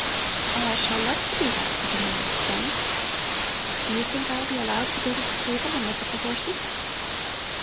"Oh, I shall love to do that!" Dino exclaimed. "Do you think I'll be allowed to go to the stable and look at the horses?"